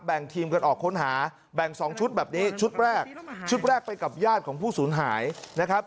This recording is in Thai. ทีมกันออกค้นหาแบ่ง๒ชุดแบบนี้ชุดแรกชุดแรกไปกับญาติของผู้สูญหายนะครับ